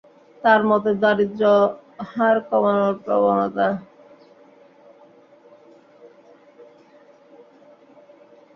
তাঁর মতে, দারিদ্র্য হার কমানোর প্রবণতা ত্বরান্বিত করতে কর্মসংস্থান সৃষ্টি করতে হবে।